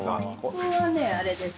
ここはねあれです。